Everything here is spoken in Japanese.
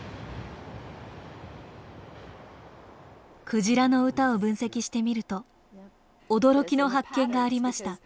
クジラの歌を分析してみると驚きの発見がありました。